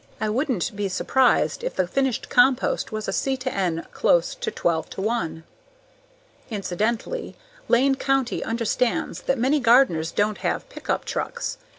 I wouldn't be surprised if the finished compost has a C/N close to 12:1. Incidentally, Lane County understands that many gardeners don't have pickup trucks.